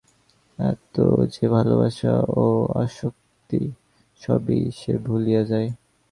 এত যে ভালবাসা ও আসক্তি, সবই সে ভুলিয়া যায়।